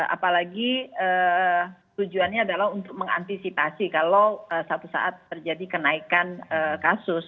apalagi tujuannya adalah untuk mengantisipasi kalau satu saat terjadi kenaikan kasus